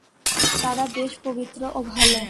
তাঁরা বেশ পবিত্র ও ভাল।